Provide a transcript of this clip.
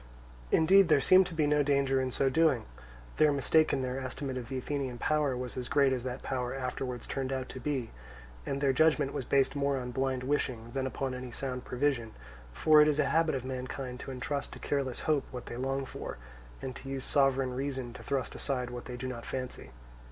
Indeed there seemed to be no danger in so doing; their mistake in their estimate of the Athenian power was as great as that power afterwards turned out to be, and their judgment was based more upon blind wishing than upon any sound prevision; for it is a habit of mankind to entrust to careless hope what they long for, and to use sovereign reason to thrust aside what they do not fancy.